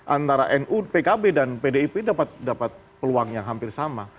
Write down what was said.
antara nu pkb dan pdip dapat peluang yang hampir sama